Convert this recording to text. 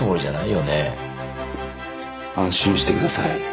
安心してください。